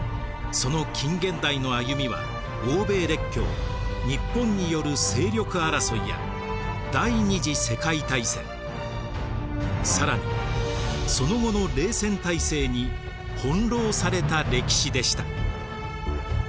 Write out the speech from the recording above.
その近現代の歩みは欧米列強日本による勢力争いや第２次世界大戦更にその後の冷戦体制に翻弄された歴史でした。